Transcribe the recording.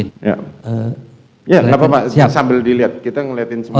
ya nggak apa apa sambil dilihat kita ngeliatin semuanya